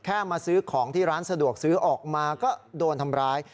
มาซื้อของที่ร้านสะดวกซื้อออกมาก็โดนทำร้าย